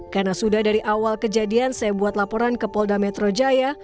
karena sudah dari awal kejadian saya buat laporan ke polda metro jaya